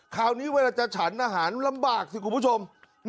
คราวนี้เวลาจะฉันอาหารลำบากสิคุณผู้ชม